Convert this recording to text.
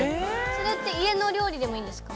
◆それって家の料理でもいいんですか。